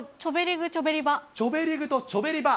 チョベリグ・チョベリバ。